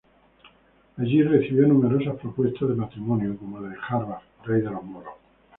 Allí, recibió numerosas propuestas de matrimonio, como la de Jarbas, rey de los moros.